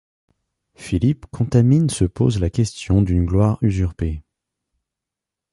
Philippe Contamine se pose la question d'une gloire usurpée.